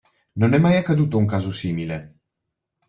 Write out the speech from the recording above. Non è mai accaduto un caso simile!